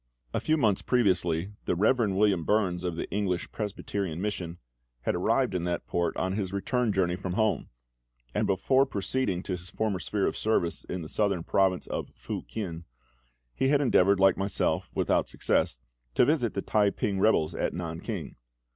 A few months previously the Rev. William Burns, of the English Presbyterian Mission, had arrived in that port on his return journey from home; and before proceeding to his former sphere of service in the southern province of FU KIEN, he had endeavoured, like myself, without success, to visit the T'ai p'ing rebels at Nan king.